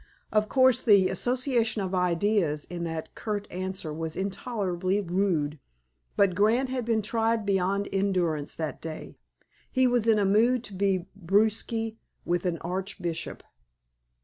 Of course, the association of ideas in that curt answer was intolerably rude. But Grant had been tried beyond endurance that day. He was in a mood to be brusque with an archbishop.